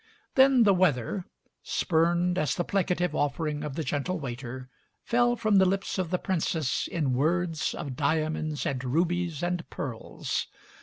Then the weather, spurned as the placa tive offering of the gentle waiter, fell from the lips of the princess in words of diamonds and rubies and pearls.